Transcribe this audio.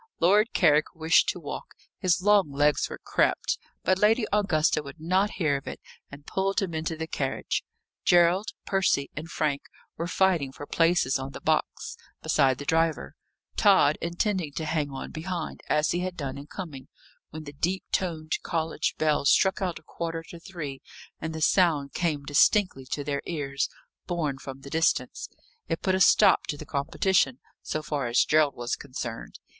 Lord Carrick wished to walk; his long legs were cramped: but Lady Augusta would not hear of it, and pulled him into the carriage, Gerald, Percy, and Frank were fighting for places on the box beside the driver, Tod intending to hang on behind, as he had done in coming, when the deep toned college bell struck out a quarter to three, and the sound came distinctly to their ears, borne from the distance. It put a stop to the competition, so far as Gerald was concerned.